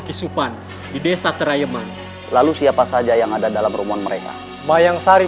kisupan di desa terayeman lalu siapa saja yang ada dalam rumah mereka bayang sari